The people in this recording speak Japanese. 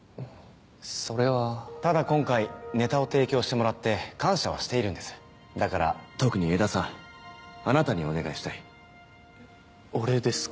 それはただ今回ネタを提供してもらって感謝はしているんですだから特に江田さんあなたにお願いしたい俺ですか？